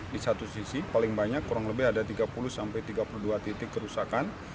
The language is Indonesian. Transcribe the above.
di satu sisi paling banyak kurang lebih ada tiga puluh sampai tiga puluh dua titik kerusakan